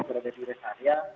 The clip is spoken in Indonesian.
berada di res area